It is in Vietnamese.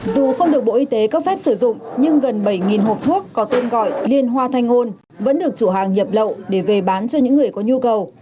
dù không được bộ y tế cấp phép sử dụng nhưng gần bảy hộp thuốc có tên gọi liên hoa thanh ngôn vẫn được chủ hàng nhập lậu để về bán cho những người có nhu cầu